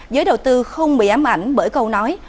giới đầu tư không bị ám ảnh bởi câu nói